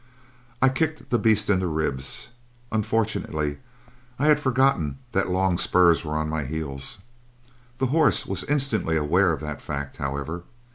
"I kicked the beast in the ribs. Unfortunately I had forgotten that long spurs were on my heels. The horse was instantly aware of that fact, however.